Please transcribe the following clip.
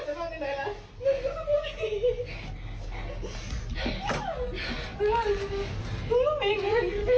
จะบ้านกันหน่อยล่ะ